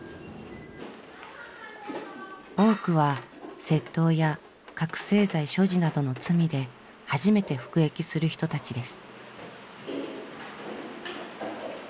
多くは窃盗や覚醒剤所持などの罪で初めて服役する人たちです。